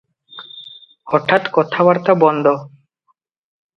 ହଠାତ୍ କଥାବାର୍ତ୍ତା ବନ୍ଦ ।